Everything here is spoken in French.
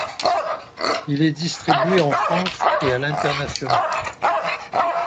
Il est distribué en France et à l'international.